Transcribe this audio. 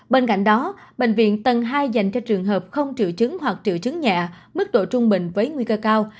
bên cạnh đó bệnh viện tầng hai dành cho trường hợp không triệu chứng hoặc triệu chứng nhẹ mức độ trung bình với nguy cơ cao